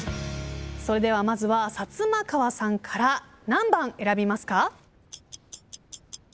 それではまずはサツマカワさんから何番選びますか？